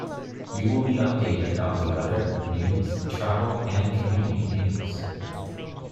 You will be updated about the weather, news, travel, and community news.